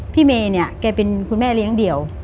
เมย์เนี่ยแกเป็นคุณแม่เลี้ยงเดี่ยว